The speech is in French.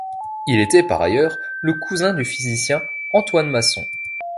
Il était, par ailleurs, le cousin du physicien Antoine Masson.